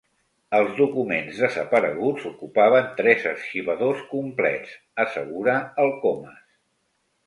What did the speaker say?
Els documents desapareguts ocupaven tres arxivadors complets —assegura el Comas—.